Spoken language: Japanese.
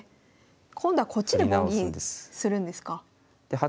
今度はこっちで棒銀するんですか。